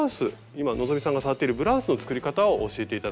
今希さんが触っているブラウスの作り方を教えて頂きたいと思ってます。